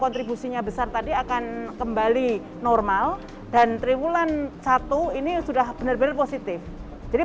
kontribusinya besar tadi akan kembali normal dan triwulan satu ini sudah benar benar positif jadi